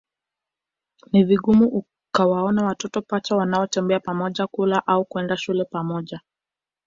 Ni vigumu ukawaona watoto pacha wanaotembea pamoja kula au kwenda shule pamoja